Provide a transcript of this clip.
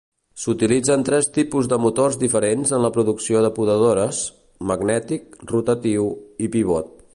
S'utilitzen tres tipus de motors diferents en la producció de podadores: magnètic, rotatiu i pivot.